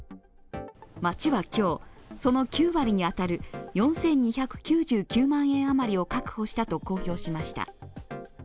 町は今日、その９割に当たる４２９９万円余りを確保したと公表しました。